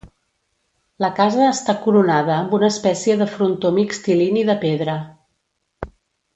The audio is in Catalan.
La casa està coronada amb una espècie de frontó mixtilini de pedra.